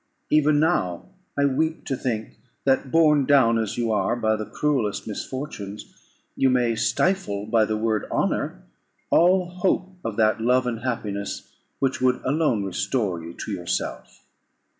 Even now I weep to think, that, borne down as you are by the cruellest misfortunes, you may stifle, by the word honour, all hope of that love and happiness which would alone restore you to yourself.